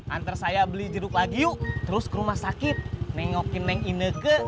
anter saya beli jeruk lagi yuk terus ke rumah sakit nengokin neng inek ke